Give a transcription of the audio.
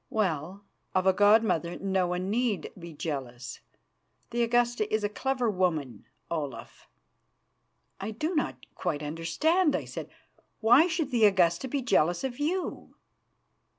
Well, of a god mother no one need be jealous. The Augusta is a clever woman, Olaf." "I do not quite understand," I said. "Why should the Augusta be jealous of you?"